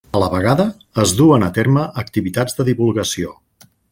A la vegada, es duen a terme activitats de divulgació.